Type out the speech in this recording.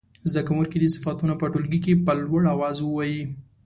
زده کوونکي دې صفتونه په ټولګي کې په لوړ اواز ووايي.